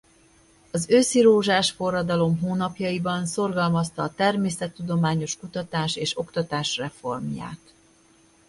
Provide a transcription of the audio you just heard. Az őszirózsás forradalom hónapjaiban szorgalmazta a természettudományos kutatás és oktatás reformját.